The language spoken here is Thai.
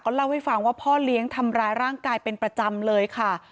เล่าให้ฟังว่าพ่อเลี้ยงทำร้ายร่างกายเป็นประจำเลยค่ะ